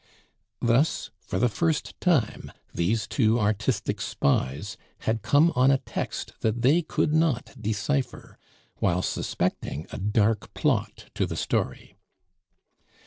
Thus, for the first time, these two artistic spies had come on a text that they could not decipher, while suspecting a dark plot to the story.